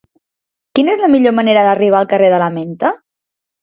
Quina és la millor manera d'arribar al carrer de la Menta?